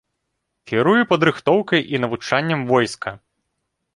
Кіруе падрыхтоўкай і навучаннем войска.